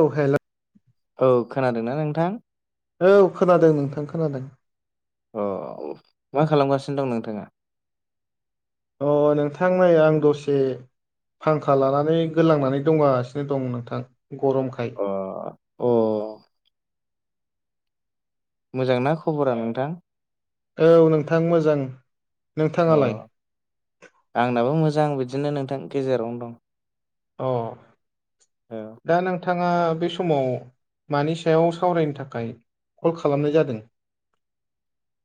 औ हेल औ खोनादोंना नोंथां औ खोनादों नोंथां खोनादों अ मा खालामगासिनो दं नोंथाङा अ नोंथां नै आं दसे फांखा लानानै गोलांनानै दंगासिनो दं नोंथां गरमखाय अ अ मोजांना खबरा नोंथां औ नोंथां मोजां नोंथाङालाय अ आंनाबो मोजां बिदिनो नोंथां गेजेरावनो दं औ औ दा नोंथाङा बे समाव मानि सायाव सावरायनो थाखाय कल खालामनाय जादों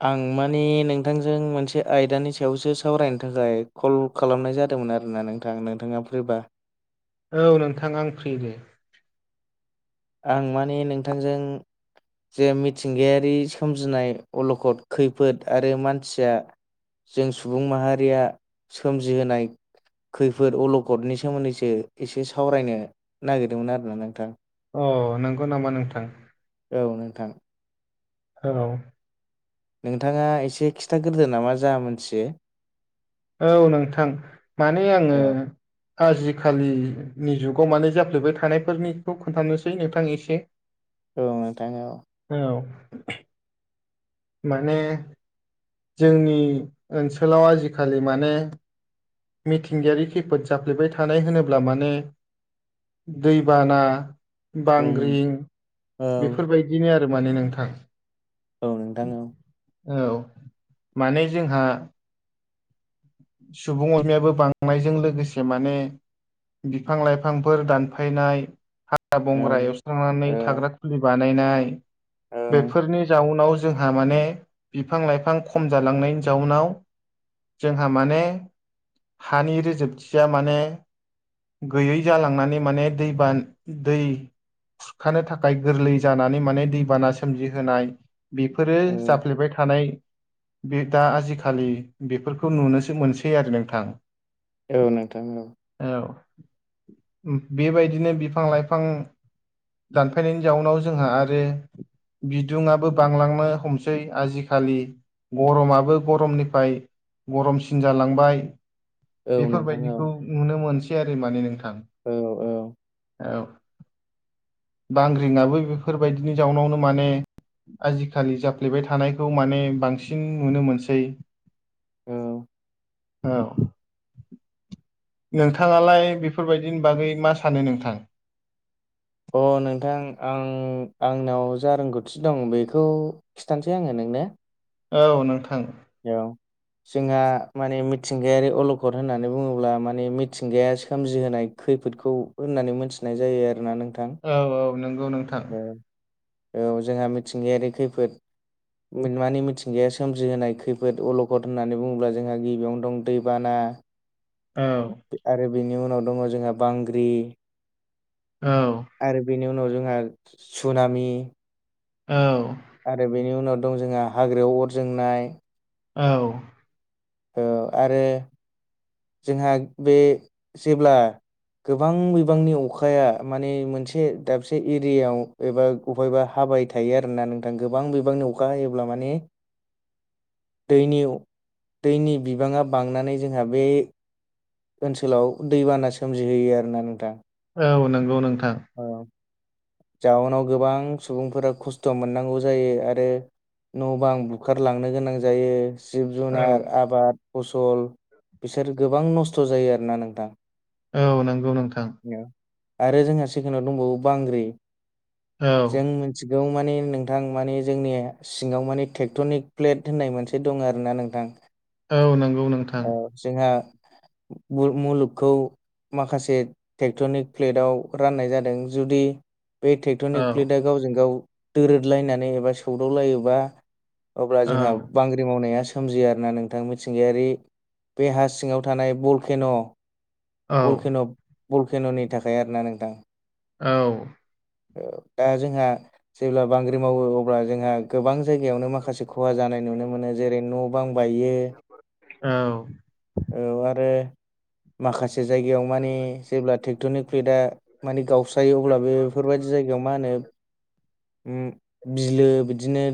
आं माने नोंथांजों मोनसे आयदानि सायावसो सावरायनो थाखाय कल खालामनाय जादोंमोन आरोना नोंथां नोंथाङा फ्रिबा औ नोंथां आं फ्रि दे आं माने नोंथांजों जे मिथिंगायारि सोमजिनाय अलखद खैफोद आरो मानसिया जों सुबुं माहारिया सोमजिहोनाय खैफोद अलकदनि सोमोन्दैसो एसे सावरायनो नागिरदोंमोन आरोना नोंथां अ नंगौ नामा नोंथां औ नोंथां औ नोंथाङा एसे खिथाग्रोदो नामा जा मोनथि औ नोंथां माने आङो औ आजिखालिनि जुगाव माने जाफ्लेबाय थानायफोरनिखौ खोन्थानोसै नोंथां एसे औ नोंथां औ औ माने जोंनि ओनसोलाव आजिखालि माने मिथिंगायारि खैफोद जाफ्लेबाय थानाय होनोब्ला माने दैबाना उम बांग्रिं औ बेफोरबायदिनो आरो माने नोंथां औ नोंथां औ औ माने जोंहा सुबुं अनजिमायाबो बांनायजों लोगोसे माने बिफां लाइफांफोर दानफायनाय हाग्रा औ बंग्रा एवस्रांनानै औ थाग्रा खुलि बानायनाय औ बेफोरनि जाउनाव जोंहा माने बिफां लाइफां खम जालांनायनि जाउनाव जोंहा माने हानि रोजोबथिया माने गैयै जालांनानै माने दै बान दै खुरखानो थाखाय गोरलै जानानै माने दैबाना सोमजिहोनाय बेफोरो औ जाफ्लेबाय थानाय बे दा आजिखालि बेफोर खौ नुनोसो मोनसै आरो नोंथां औ नोंथां औ औ बेबायदिनो बिफां लाइफां दानफायनायनि जाउनाव जोंहा आरो बिदुङआबो बांलांनो हमसै आजिखालि गरमाबो गरमनिफ्राय गरमसिन जालांबाय औ नोंथां औ बेफोरबायदिखौ नुनो मोनसै आरो माने नोंथां औ आं औ बांग्रिंआबो बेफोरबायदिनि जाउनाव माने आजिखालि जाफ्लेबाय थानायखौ माने बांसिन नुनो मोनसै उम औ नोंथाङालाय बेफोरबायदिनि बागै मा सानो नोंथां अ नोंथां आं आंनाव जा रोंगौथि दं बेखौ खिथानोसै आङो नोंनो औ नोंथां औ जोंहा माने मिथिंगायारि अलखद होननानै बुङोब्ला माने मिथिंगाया सोमजिहोनाय खैफोदखौ होननानै मोन्थिनाय जायो आरोना नोंथां औ औ नोंगौ नोंथां औ औ जोंहा मिथिंगायारि खैफोद मानि मिथिंगाया सोमजिहोनाय खैफोद अलखद होननानै बुङोब्ला जोंहा गिबियावनो दं दैबाना औ आरो बिनि उनाव दङ जोंहा बांग्रि औ आरो बेनि उनाव जोंहा सुनामि औ आरो बेनि उनाव दं जोंहा हाग्रायाव अर जोंनाय औ औ आरो जोंहा बे जेब्ला गोबां बिबांनि अखाया माने मोनसे दाबसे एरियायाव एबा अफायबा हाबाय थायो आरोना नोंथां गोबां बिबांनि अखा हायोब्ला माने दैनियाव दैनि बिबाङा बांनानै जोंहा बे ओनसोलाव दैबाना सोमजिहोयो आरो ना नोंथां औ नंगौ नोंथां जाउनाव गोबां सुबुंफोरा खस्थ' मोननांगौ जायो आरो न' बां बुखारलांनो गोनां जायो जिब औ जुनार आबाद फसल बिसोर गोबां नस्थ' जायो आरोना नोंथां औ नंगौ नोंथां आरो जोंहा सेकेणडआव दंबावो बांग्रि औ जों सिगाव माने नोंथां माने जोंनि सिङाव माने ट्रेक्टनिक प्लेट होननाय मोनसे दं आरो ना नोंथां औ नंगौ नों जोंहा मुलुगखौ माखासे ट्रेक्टरनिक प्लेटाव राननाय जादों जुदि बे ट्रेक्ट'निक औ प्लेटआ गावजों गाव दोरदलायनानै एबा सौदावलायोबा अब्ला औ जोंहा बांग्रि मावनाया सोमजियो आरोना नोंथां मिथिंगायारि बे हा सिङाव थानाय बलकेन' औ बलकेन' बल केेन'नि थाखाय आरोना नोंथां औ दा जोंहा जेब्ला बांग्रि मावो अब्ला जोंहा गोबां जायगायावनो माखासे खहा जानाय नुनो मोनो जेरै न' बां बायो औ औ आरो माखासे जायगायाव माने जेब्ला ट्रेक्ट'रनिक फ्लेदा माने गावस्रायो अब्ला बे बेफोरबायदि जायगायाव मा होनो उम बिलो बिदिनो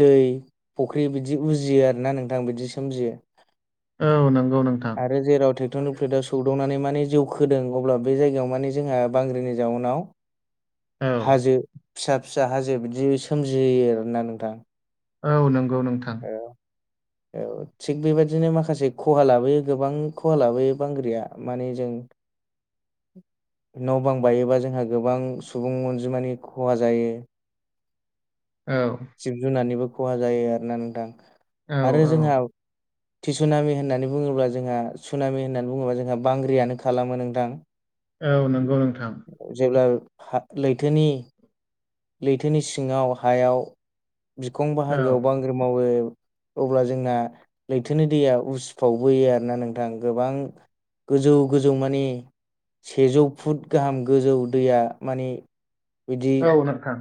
दै फुख्रि बिदि उजियो आरोना नोंथां बिदि सोमजियो औ नंगौ नोंथां आरो जेराव ट्रेक्टरनि प्लेटआव सौदावनानै माने जौ खोदों अब्ला बे जायगायाव माने जोंहा बांग्रिनि जाउनाव औ हाजो फिसा फिसा हाजो बिदि सोमजियो आरोना नोंथां औ नंगौ नोंथां [inaudible] औ थिग बेबायदिनो माखासे खहा लाबोयो गोबां खहा लाबोयो बांग्रिया माने जों न' बां बायोबा जोंहा गोबां सुबुं अनजिमानि खहा जायो औ जिब जुनारनिबो खहा जायो आरोना नोंथां औ आरो जोंहा औ थिसुनामि होननानै बुङोब्ला जोंहा सुनामि होननानै बुङोब्ला जोंहा बांग्रियानो खालामो नोंथां औ नंगौ नोंथां जेब्ला लैथोनि लैथोनि सिङाव हायाव बिखं औ बाहागोआव बांग्रि मावो अब्ला जोंना लैथोनि दैया उसफावबोयो आरोना नोंथां गोबां गोजौ गोजौ माने सेजौ फुट गाहाम गोजौ दैया माने औ नोंथां।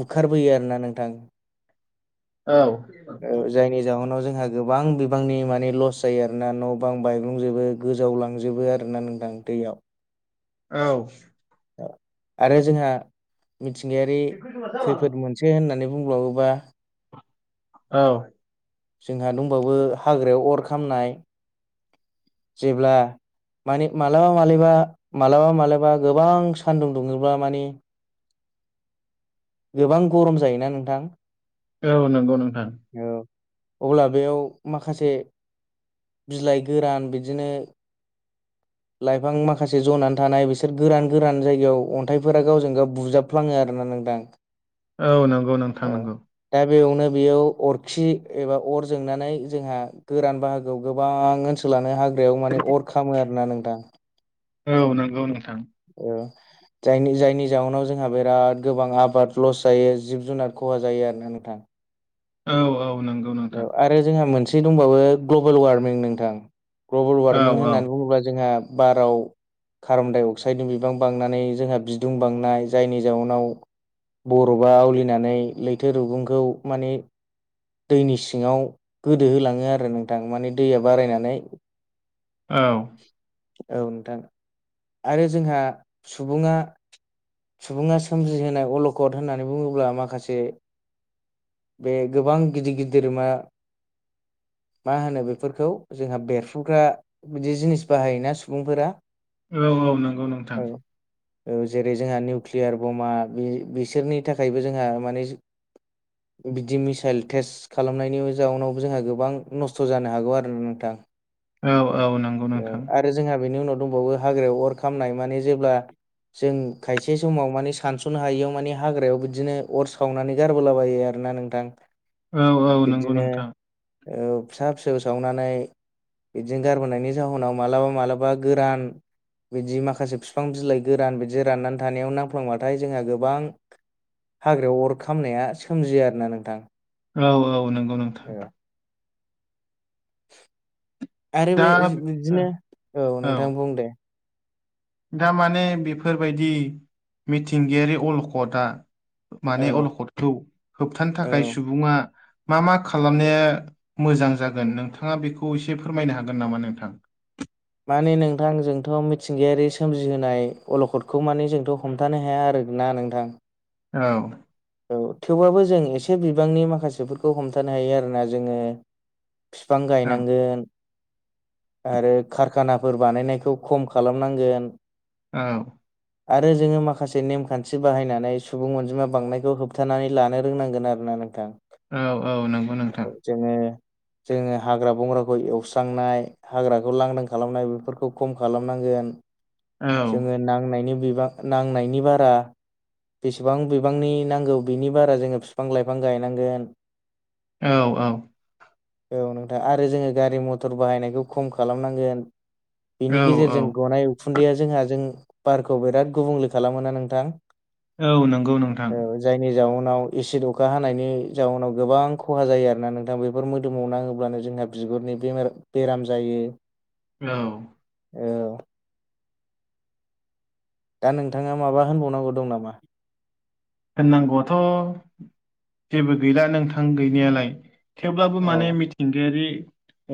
बंखारबोयो आरोना नोंथां। औ। जायनि जउनाव जोंहा गोबां बिबांनि माने लस जायो आरोना न' बां बायग्लुंजोबो गोजावलांजोबो आरोना नोंथां दैयाव। औ। आरो जोंहा मिथिंगायारि खैफोदमोन। होननानै बुंब्लाावोबा औ। जोंहा दंबावो हाग्रायाव अर खामनाय जेब्ला मानि मालाबा मालाबा मालाबा मालाबा गोबां सान्दुं दुङला मानि गोबां गरम जायोना नोंथां। औ नंगौ नोंथां। औ अब्ला बेयाव माखासे बिलाइ गोरान बिदिनो लाइफां माखासे जनानै थानाय बिसोर गोरान गोरान जायगायाव अन्थाइफोरा गावजों गाव बुजाबफ्लाङो आरोना नोंथां। [inaudible] औ नंगौ नोंथां नंगौ। दा बेयावनो बेयाव अरखि एबा अर जोंनानै जोंहा गोरान बाहागोआव गोबां स लानो हाग्रायाव माने अर खामो आरोना नोंथां। औ नंगौ नोंथां। औ। जायनि जायनि जाउनाव जोंहा बिराद गोबां आबाद लस जायो जिब जुनार खहा जायो आरोना नोंथां। औ औ नंगौ। नोंथां औ आरो जोंहा मोनसे दंबावो ग्लबेल वार्मिं नोंथां। ग्लबेल औ वार्मिं होननानै बुङोब्ला जोंहा बाराव कार्बनडाइ अक्साइडनि बिबां बांनानै जोंहा बिदुं बांनाय जायनि जाउनाव बर'बा आवलिनानै लैथो रुगुंखौ माने दैनि सिङाव गोदो होलाङो आरो नोंथां माने दैया बारायनानै औ। औ नोंथां। आरो जोंहा सुबुङा सुबुङा सोमजिहोनाय अलखद होननानै बुङोब्ला माखासे बे गोबां गिदिर गिदिर धोरोमा। मा होनो बेफोरखौ जोंहा बेरफुग्रा बिदि जिनिस बाहायोना सुबुंफोरा औ औ नोंगौ नोंथां। औ जेरै जोंहा निउकलियार बमा बिसोरनि थाखायबो जोंहा माने बिदि मिसाइल टेस्ट खालामनायनि जाउनावबो जोंहा गोबां नस्थ' जानो हागौ आरो ना नोंथां। औ औ नोंगौ औ नोंथां। आरो जोंहा बेनि उनाव दंबावो हाग्रायाव अर खामनाय माने जेब्ला जों खायसे समाव माने सानस'नो हायियाव माने हाग्रायाव बिदिनो अर सावनानै गारबोलाबायो आरो ना नोंथां औ औ नंगौ बिदिनो नोंथां फिसा फिसौ सावनानै बिदिनो गारबोनायनि जाहोनाव मालाबा मालाबा गोरान बिदि माखासे बिफां बिलाइ गोरान बिदि राननानै थानायाव नांफ्लांबाथाय जोंहा गोबां हाग्रायाव अर खामनाया सोमजियो आरना नोंथां। औ औ नंगौ नोंगौ। [unintelligible] आरो दा बे बिदिनो औ औ नोंथां बुं दे। दामाने बेफोरबायदि मिथिंगायारि अलखदा माने औ अलखदखौ होबथानो थाखाय औ सुबुङा मा मा खालामनाया मोजां जागोन नोंथाङा बेखौ एसे फोरमायनो हागोन नामा नोंथां माने नोंथां जोंथ' मिथिंगायारि सोमजिहोनाय अलखदखौ माने जोंथ' हमथानो हाया आरो ना नोंथां औ औ थेवबाबो जों एसे बिबांनि माखासेफोरखौ हमथानो हायो आरोना जोङो फिफां औ गायनांगोन आरो कारखानाफोर बानायनायखौ खम खालामनांगोन औ आरो जोङो माखासे नेमखान्थि बाहायनानै सुबुं अनजिमा बांनायखौ होबथानानै लानो रोंनांगोन आरोना नों नोंथां औ औ नोंगौ नोंथां जोङो जोङो हाग्रा बंग्राखौ एवस्रांनाय हाग्राखौ लांदां खालामनाय बेफोरखौ खम खालामनांगोन औ जोङो नांनायनि बिबां नांनायनि बारा बेसेबां बिबांनि नांगौ बिनि बारा जोङो बिफां लाइफां गायनांगोन औ औ औ नोंथां आरो जोङो गारि मथर बाहायनायखौ खम खालामनांगोन बिनि औ औ गेजेरजों गनाय उखुन्दैया जोंहा जों बारखौ बिराद गुबुंले खालामोना नोंथां औ नोंगौ नोंथां औ जायनि जाउनाव एसिड अखा हानायनि जाउनाव गोबां खहा जायो आरोना नोंथां बेफोर मोदोमाव नाङोब्लानो जोंहा बिगुरनि बेमार बेराम जायो औ औ दा नोंथाङा माबा होनबावनांगौ दं नामा? होननांगौआथ' जेबो गैला नोंथां गैनायालाय थेवब्लाबो औ माने मिथि थिंगायारि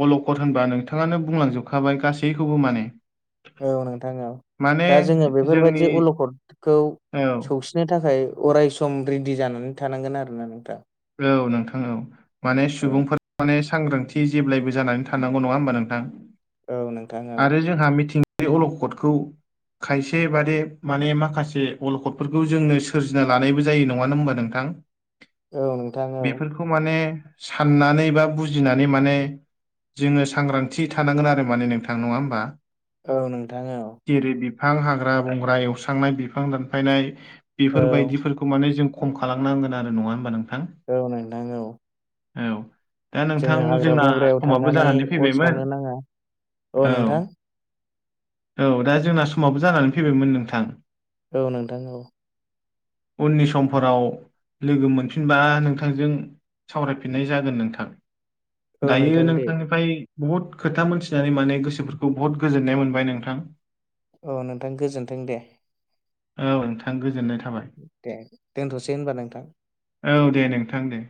अलकद होनबा नोंथाङानो बुंलांजोबखाबाय गासैखौबो माने औ नोंथां औ माने दा जोङो जोंनि बेफोरबायदि अलखदखौ औ सौसि नो थाखाय अराय सम रेडि जानानै थानांगोन आरना नोंथां औ नोंथां औ माने सुबुंफोर माने सांग्रांथि जेब्लायबो जानानै थानांगौ नङा होमबा नोंथां नोंथां औ आरो जोंहा मिथिंगानि अलखदखौ खायसे बादि माने माखासे अलखदफोरखौ जोंनो सोरजिना लानायबो जायो नङानो होमबा नोंथां औ नोंथां औ बेफोरखौ माने साननानै बा बुजिनानै माने जोङो सांग्रांथि थानांगोन आरो माने नोंथां नङा होमबा औ नोंथां जेरै बिफां हाग्रा बंग्रा एवस्रांनाय बिफां दानफायनाय बेफोरबायदिफोरखौ माने जों खम खालामनांगोन आरो नङा होमबा नोंथां औ नोंथां औ औ दा जोङो नोंथां हाग्रा जोंना बंग्रायाव समाबो थांनानै जानानै अर सावनो फैबायमोन नाङा औ औ दा जोंना समावबो जानानै फैबायमोन नोंथां औ नोंथां औ उननि समफोराव लोगो मोनफिनगोन फिनबा नोंथांजों सावरायफिननाय जागोन नोंथां औ दायो नोंथां दे नोंथांनिफ्राय बुहुत खोथा मोनथिनानै माने गोसोफोरखौ बहुत गोजोननाय मोनबाय नोंथां औ नोंथां गोजोन्थों दे औ नोंथां गोजोननाय थाबाय। दे दोनथ'सै होमबा नोंथां। औ दे नोंथां दे।